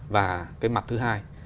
và cái mặt thứ hai